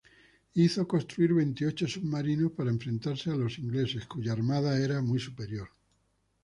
Hizo construir veintiocho submarinos para enfrentarse a los ingleses, cuya Armada era muy superior.